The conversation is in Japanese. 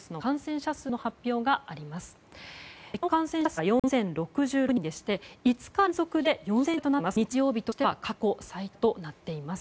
昨日の感染者数が４０６６人でして日曜日としては過去最多となっています。